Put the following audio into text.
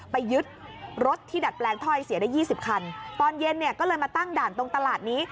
ไปยึดรถที่ดัดแปลงถ้อยเสียได้ยี่สิบคันตอนเย็นเนี่ยก็เลยมาตั้งด่านตรงตลาดนี้